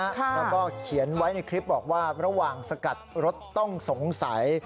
แล้วก็เขียนไว้ในคลิปบอกว่าระหว่างสกัดรถต้องสงสัย